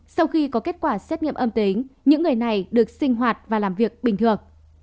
sau khi có kết quả xét nghiệm âm tính những người này được sinh hoạt và làm việc bình thường